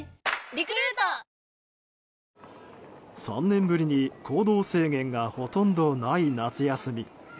３年ぶりに行動制限がほとんどない夏休み。